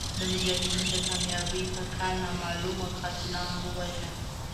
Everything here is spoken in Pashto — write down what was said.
د مجاهدینو د کامیابۍ په کال نامعلومو قاتلانو وواژه.